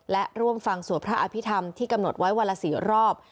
และร่วมฟังสวดพระอภิษฐรรมที่กำหนดไว้วันละ๔รอบ